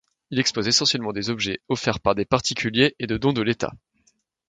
Il expose essentiellement des objets offerts par des particuliers et de dons de l'État.